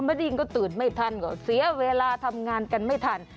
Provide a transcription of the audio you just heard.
ดินก็ตื่นไม่ทันก็เสียเวลาทำงานกันไม่ทัน